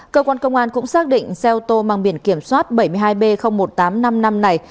cơ quan công an cũng xác định xe ô tô mang biển kiểm soát bảy mươi hai b một nghìn tám trăm năm mươi năm này